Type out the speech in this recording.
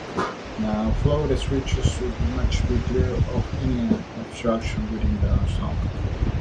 Float switches must be clear of any obstructions within the sump.